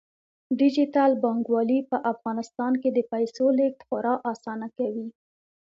ډیجیټل بانکوالي په افغانستان کې د پیسو لیږد خورا اسانه کوي.